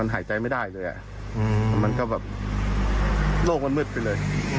หายใจไม่ได้เลยอ่ะแล้วมันก็แบบโลกมันมืดไปเลย